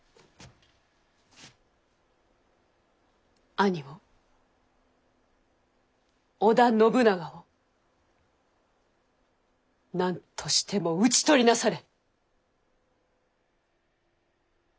兄を織田信長を何としても討ち取りなされ。